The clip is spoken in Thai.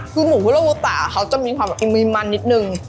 คือหมูคุโรบุตาเขาจะมีความอิมีมันนิดนึง